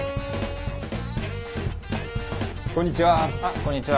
こんにちは。